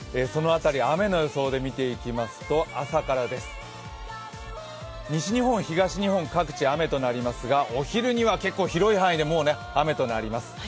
雨の予想で見ていきますと朝からです、西日本、東日本各地雨となりますがお昼には結構広い範囲で雨となります。